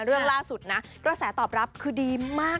เรื่องล่าสุดนะกระแสตอบรับคือดีมาก